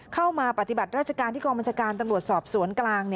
เข้ามาปฏิบัติราชการที่กองบัญชาการตำรวจสอบสวนกลาง